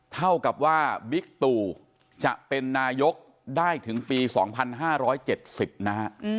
เท่ากับว่าบิ๊กตู่จะเป็นนายกได้ถึงปี๒๕๗๐นะฮะ